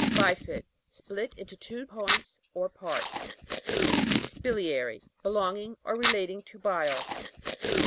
BIFID. Split into two points or parts. BILIA'RY. Belonging or relating to bile.